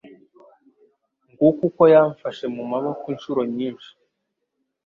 Nguko uko yamfashe mu maboko inshuro nyinshi